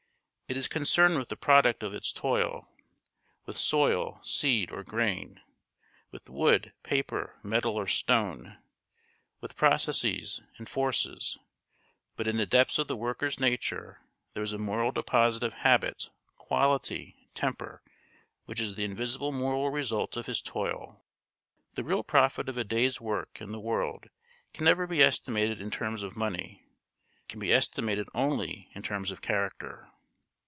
It is concerned with the product of its toil; with soil, seed, or grain; with wood, paper, metal, or stone; with processes and forces; but in the depths of the worker's nature there is a moral deposit of habit, quality, temper, which is the invisible moral result of his toil. The real profit of a day's work in the world can never be estimated in terms of money; it can be estimated only in terms of character.